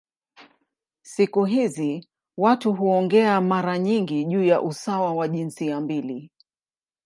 Siku hizi watu huongea mara nyingi juu ya usawa wa jinsia mbili.